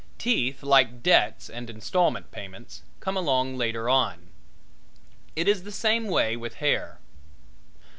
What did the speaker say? Teeth, like debts and installment payments, come along later on. It is the same way with hair.